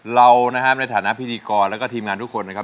เรานะครับในฐานะพิธีกรแล้วก็ทีมงานทุกคนนะครับ